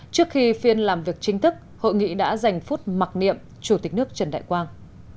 trước khi phiên làm việc chính thức hội nghị đã dành phút mặc niệm chủ tịch nước trần đại quang